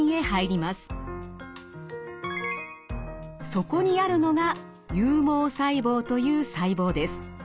そこにあるのが有毛細胞という細胞です。